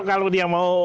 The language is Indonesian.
atau kalau dia mau